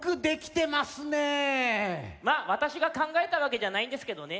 まっわたしがかんがえたわけじゃないんですけどね。